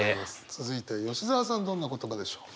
続いて吉澤さんどんな言葉でしょう。